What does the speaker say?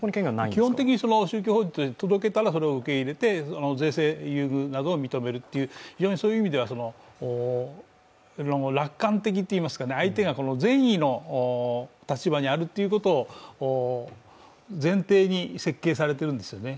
基本的に宗教法人は届けたら、それを受け入れて、税制優遇などを認めるというそういう意味では楽観的といいますか、相手が善意の立場にあるということを前提に設計されているんですよね。